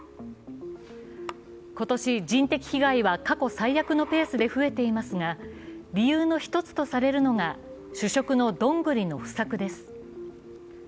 今年、人的被害は過去最悪のペースで増えていますが、理由の一つとされるのが主食のどんぐりの不作です。